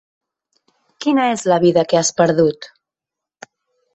Quina és la vida que has perdut?